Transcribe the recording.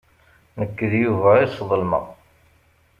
Nekk d Yuba ay sḍelmeɣ.